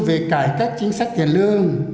về cải cách chính sách tiền lương